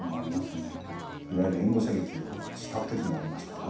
いわゆる援護射撃をしたことありました。